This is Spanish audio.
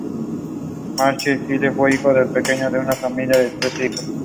Marcel Gili fue el hijo pequeño de una familia con trece hijos.